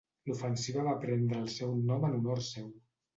L'ofensiva va prendre el seu nom en honor seu.